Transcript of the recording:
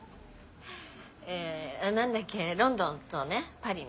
え何だっけロンドンとねパリね。